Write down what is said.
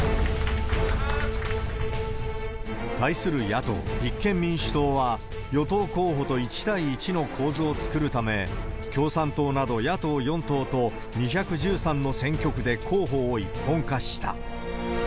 対する野党・立憲民主党は、与党候補と１対１の構図を作るため、共産党など野党４党と２１３の選挙区で候補を一本化した。